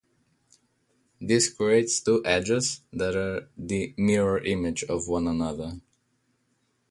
This creates two edges that are the mirror image of one another.